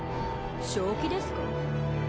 正気ですか？